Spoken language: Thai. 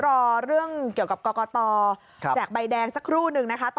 รอเรื่องเกี่ยวกับกรกตแจกใบแดงสักครู่นึงนะคะ